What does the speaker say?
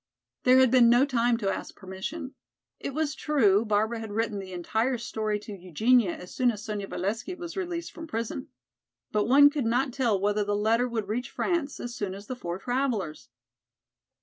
There had been no time to ask permission. It was true Barbara had written the entire story to Eugenia as soon as Sonya Valesky was released from prison. But one could not tell whether the letter would reach France as soon as the four travelers.